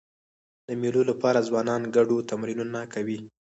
د مېلو له پاره ځوانان ګډو تمرینونه کوي.